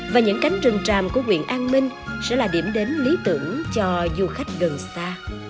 và những cánh rừng tràm của quyện an minh sẽ là điểm đến lý tưởng cho du khách gần xa